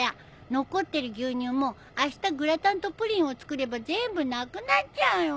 残ってる牛乳もあしたグラタンとプリンを作れば全部なくなっちゃうよ。